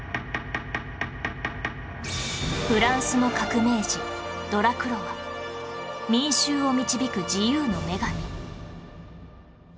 フランスの革命児ドラクロワ『民衆を導く自由の女神』